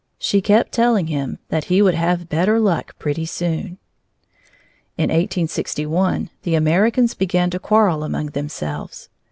She kept telling him that he would have better luck pretty soon. In 1861 the Americans began to quarrel among themselves.